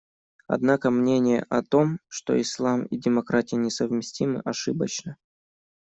Однако мнение о том, что Ислам и демократия несовместимы, ошибочно.